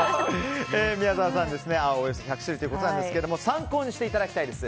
宮澤さんは青およそ２００種類ということですが参考にしていただきたいです。